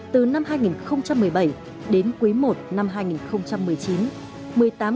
từ năm hai nghìn một mươi bảy đến quý i năm hai nghìn một mươi chín